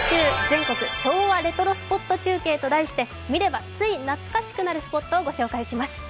全国昭和レトロスポット中継」と題して見れば、つい懐かしくなるスポットをご紹介します。